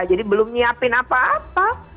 jadi belum menyiapkan apa apa